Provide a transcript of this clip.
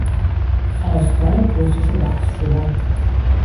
خواستار پرسش و بحث شدن